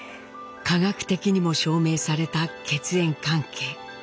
科学的にも証明された血縁関係。